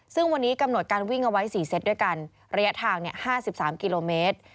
ซึ่งวันนี้กำหนดการวิ่งเอาไว้สี่เซ็ตด้วยกันระยะทางเนี่ยห้าสิบสามกิโลเมตร